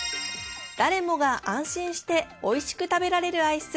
誰もが安心しておいしく食べられるアイス。